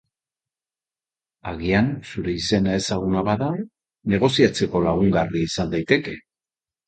Agian zure izena ezaguna bada, negoziatzeko lagungarri izan daiteke.